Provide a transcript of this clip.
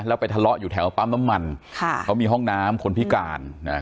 แล้วไปทะเลาะอยู่แถวปั๊มน้ำมันเขามีห้องน้ำคนพิการ